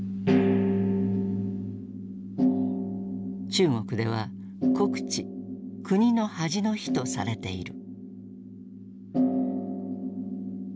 中国では「国恥」「国の恥の日」とされている。